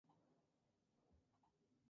Malí en las Olimpíadas